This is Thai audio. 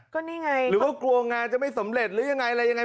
ก็นี่ไงหรือว่ากลัวงานจะไม่สำเร็จหรือยังไงอะไรยังไง